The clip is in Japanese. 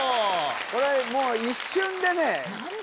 これもう一瞬でね・何で！？